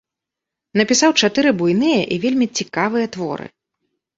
Напісаў чатыры буйныя і вельмі цікавыя творы.